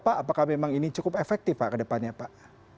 apakah ini cukup efektif kedepannya pak